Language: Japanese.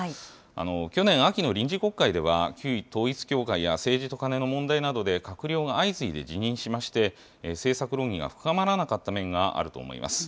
去年秋の臨時国会では、旧統一教会や政治とカネの問題などで閣僚が相次いで辞任しまして、政策論議が深まらなかった面があると思います。